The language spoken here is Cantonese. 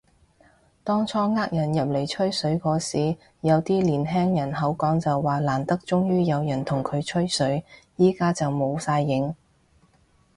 當初嗌人入嚟吹水嗰時，有啲年輕人口講就話難得終於有人同佢吹水，而家就冇晒影